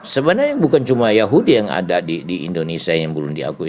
sebenarnya bukan cuma yahudi yang ada di indonesia yang belum diakui